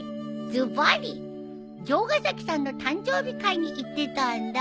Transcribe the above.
ズバリ城ヶ崎さんの誕生日会に行ってたんだ。